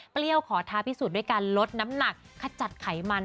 ขอท้าพิสูจน์ด้วยการลดน้ำหนักขจัดไขมัน